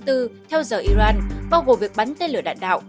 theo giờ iran bao gồm việc bắn tên lửa đạn đạo